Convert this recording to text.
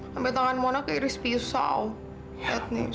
nama tangan mona kayak iris pisau set univers